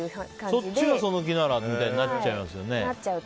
そっちがその気ならみたいになっちゃいますよね。